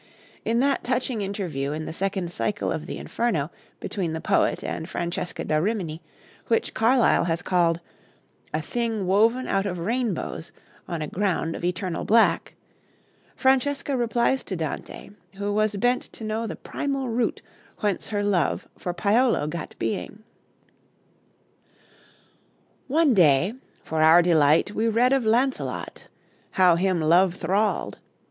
In that touching interview in the second cycle of the Inferno between the poet and Francesca da Rimini, which Carlyle has called "a thing woven out of rainbows on a ground of eternal black," Francesca replies to Dante, who was bent to know the primal root whence her love for Paolo gat being: "One day For our delight, we read of Launcelot, How him love thralled.